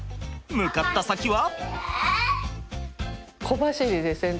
向かった先は？